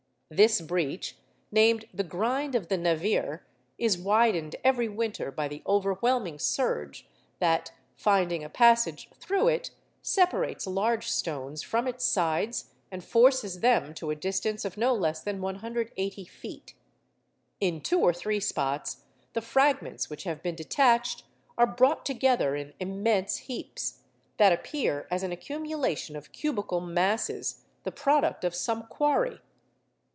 This breach, named the Grind of the Navir, is widened every winter by the overwhelming surge that, finding a passage through it, separates large stones from its sides, and forces them to a distance of no less than 180 feet. In two or three spots, the fragments which have been detached are brought together in immense heaps, that appear as an accumulation of cubical masses, the product of some quarry.